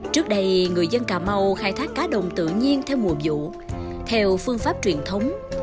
trước đây người dân cà mau khai thác cá đồng tự nhiên theo mùa vụ theo phương pháp truyền thống